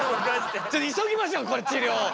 ちょっと急ぎましょうこれ治りょう。